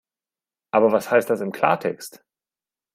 Aber was heißt das im Klartext?